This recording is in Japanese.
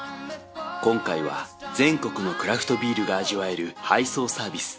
今回は全国のクラフトビールが味わえる配送サービス